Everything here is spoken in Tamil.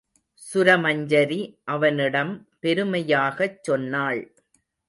சுரமஞ்சரி அவனிடம் பெருமையாகச் சொன்னாள்.